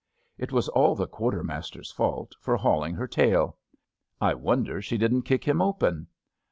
It was all the quartermaster's fault for hauling her tail. I wonder she didn't kick him open.